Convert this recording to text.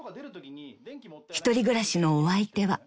［１人暮らしのお相手は］